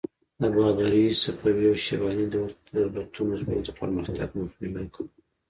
د بابري، صفوي او شیباني دولتونو زموږ د پرمختګ مخنیوی کاوه.